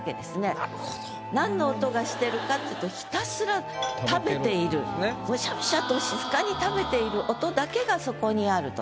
なんの音がしてるかっていうとひたすらムシャムシャと静かに食べている音だけがそこにあると。